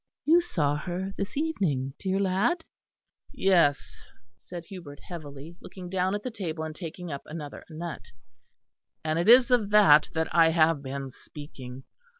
You saw her this evening, dear lad?" "Yes," said Hubert, heavily, looking down at the table and taking up another nut, "and it is of that that I have been speaking.